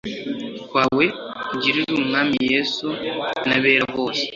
kwawe ugirira Umwami Yesu n abera bose